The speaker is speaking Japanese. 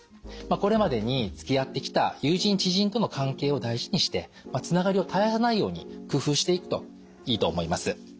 これまでにつきあってきた友人・知人との関係を大事にしてつながりを絶やさないように工夫していくといいと思います。